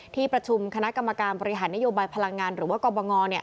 ที่ประชุมคณะกรรมการบริหารนโยบายพลังงานหรือว่ากรบง